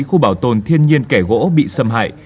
khu bảo tồn thiên nhiên kẻ gỗ bị xâm hại